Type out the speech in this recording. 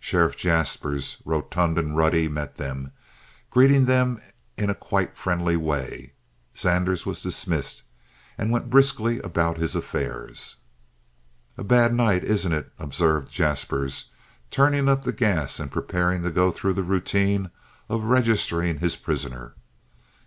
Sheriff Jaspers, rotund and ruddy, met them, greeting them in quite a friendly way. Zanders was dismissed, and went briskly about his affairs. "A bad night, isn't it?" observed Jaspers, turning up the gas and preparing to go through the routine of registering his prisoner.